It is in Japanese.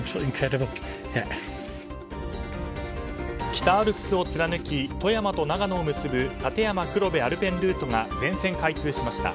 北アルプスを貫き富山と長野を結ぶ立山黒部アルペンルートが全線開通しました。